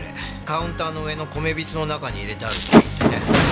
カウンターの上の米びつの中に入れてあるって言ってね。